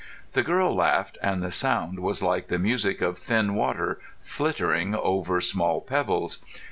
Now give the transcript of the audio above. The girl laughed, and the sound was like the music of thin water flittering over small pebbles.